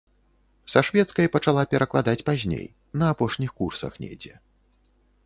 Са шведскай пачала перакладаць пазней, на апошніх курсах недзе.